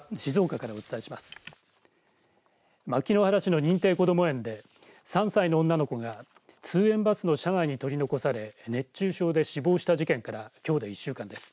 牧之原市の認定こども園で３歳の女の子が通園バスの車内に取り残され熱中症で死亡した事件からきょうで１週間です。